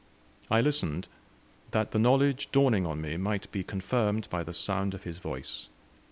I listened, that the knowledge dawning on me might be confirmed by the sound of his voice.